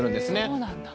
そうなんだ。